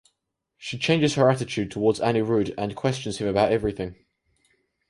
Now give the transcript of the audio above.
She changes her attitude towards Anirudh and questions him about everything.